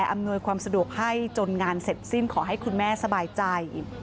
อำนวยความสะดวกให้จนงานเสร็จสิ้นขอให้คุณแม่สบายใจ